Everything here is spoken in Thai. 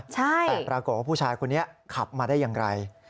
แต่ปรากฏว่าผู้ชายคนนี้ขับมาได้อย่างไร